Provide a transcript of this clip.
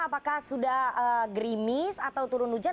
apakah sudah grimis atau turun hujan